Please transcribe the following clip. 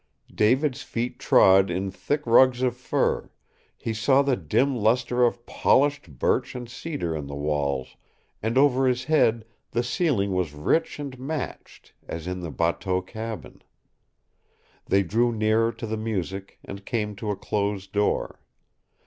David's feet trod in thick rugs of fur; he saw the dim luster of polished birch and cedar in the walls, and over his head the ceiling was rich and matched, as in the bateau cabin. They drew nearer to the music and came to a closed door.